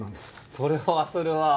それはそれは。